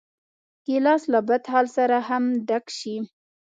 ګیلاس له بدحال سره هم ډک شي.